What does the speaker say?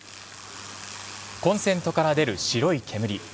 コンセントから出る白い煙。